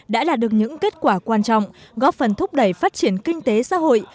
đã là được những kết quả quan trọng góp phần thúc đẩy phát triển kinh tế xã hội